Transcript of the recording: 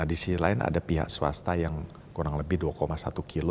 di sisi lain ada pihak swasta yang kurang lebih dua satu kg